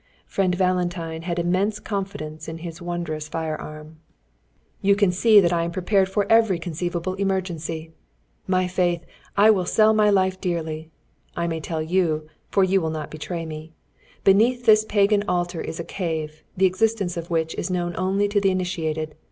Friend Valentine had immense confidence in his wondrous firearm. "You can see that I am prepared for every conceivable emergency. My faith, I will sell my life dearly! I may tell you, for you will not betray me. Beneath this Pagan Altar is a cave, the existence of which is known only to the initiated.